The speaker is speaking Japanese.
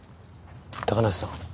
高梨さん。